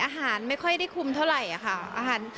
อาหารไม่ค่อยได้คุมเท่าไรนะครับ